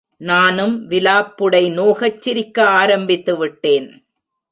நானும் விலாப்புடை நோகச் சிரிக்க ஆரம்பித்து விட்டேன்.